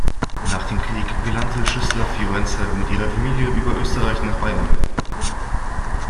Nach dem Krieg gelangte Schüssler Fiorenza mit ihrer Familie über Österreich nach Bayern.